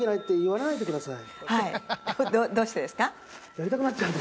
はいどうしてですか？